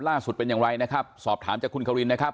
เป็นอย่างไรนะครับสอบถามจากคุณควินนะครับ